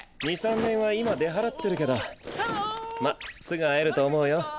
二三年は今出払ってるけどまっすぐ会えると思うよ。